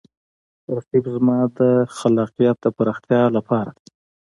رقیب زما د خلاقیت د پراختیا لپاره دی